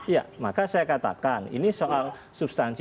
ya maka saya katakan ini soal substansi